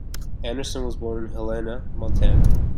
Anderson was born in Helena, Montana.